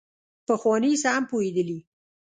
پخواني سم پوهېدلي.